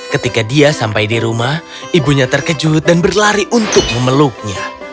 ketika dia sampai di rumah ibunya terkejut dan berlari untuk memeluknya